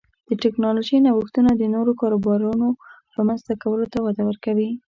د ټکنالوژۍ نوښتونه د نوو کاروبارونو رامنځته کولو ته وده ورکوي.